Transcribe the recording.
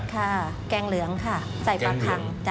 แกงเหลืองค่ะใส่ปลาคัง